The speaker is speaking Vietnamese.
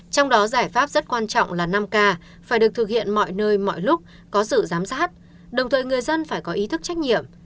trong đó giải pháp rất quan trọng là năm k phải được thực hiện mọi nơi mọi lúc có sự giám sát đồng thời người dân phải có ý thức trách nhiệm